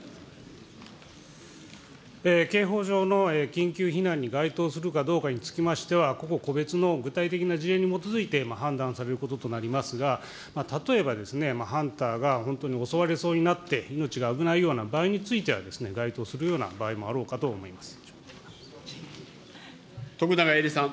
刑法上の緊急避難に該当するかどうかにつきましては、ここ個別の具体的な事例に基づいて判断されることとなりますが、例えばですね、ハンターが本当に襲われそうになって、命が危ないような場合については、該当するような場合もあろうかと徳永エリさん。